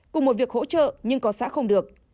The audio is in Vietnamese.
cùng một việc hỗ trợ nhưng có xã không được